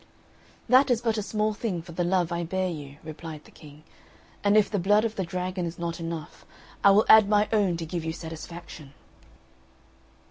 "That is but a small thing for the love I bear you," replied the King; "and if the blood of the dragon is not enough, I will add my own to give you satisfaction."